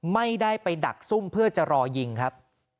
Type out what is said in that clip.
ไม่ได้ไปดักซุ่มเพื่อจะรอยิงครับ